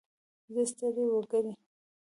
زه ستړی وګړی.